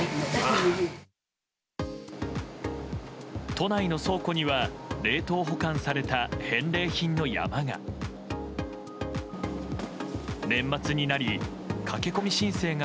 都内の倉庫には冷凍保管された返礼品の山が。